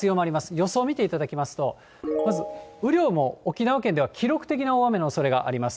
予想見ていただきますと、まず雨量も沖縄県では記録的な大雨のおそれがあります。